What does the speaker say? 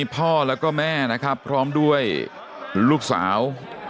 พ่อแล้วก็แม่นะครับพร้อมด้วยลูกสาว